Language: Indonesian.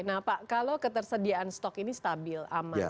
nah pak kalau ketersediaan stok ini stabil aman